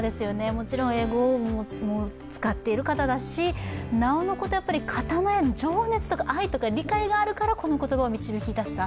もちろん英語を使っている方だしなおのことやっぱり、刀への情熱とか、愛とか理解があるからこの言葉を導き出した。